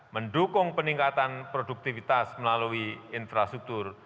mendukung peningkatan produktivitas melalui infrastruktur